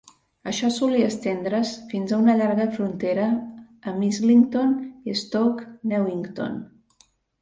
Això solia estendre's fins a una llarga frontera amb Islington i Stoke Newington.